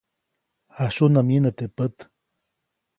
Jasyunä myinä teʼ pät.